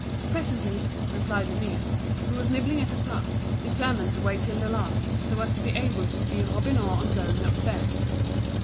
"Presently," replied Denise, who was nibbling at a crust, determined to wait till the last, so as to be able to see Robineau on going upstairs.